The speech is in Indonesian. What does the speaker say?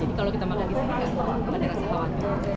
jadi kalau kita makan di sini akan terasa halal